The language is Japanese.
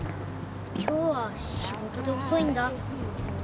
今日は仕事で遅いんだ。